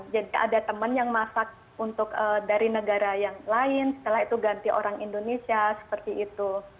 jadi ada teman yang masak untuk dari negara yang lain setelah itu ganti orang indonesia seperti itu